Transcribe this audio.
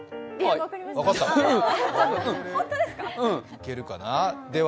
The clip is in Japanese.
いけるかな。